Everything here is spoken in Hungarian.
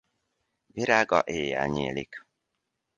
Virága éjjel nyílik.